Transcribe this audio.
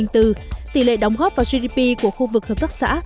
tỷ lệ đồng hóp vào gdp của khu vực hợp tác xã